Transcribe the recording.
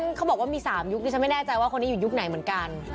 เขาบอกว่ามี๓ยุคดิฉันไม่แน่ใจว่าคนนี้อยู่ยุคไหนเหมือนกัน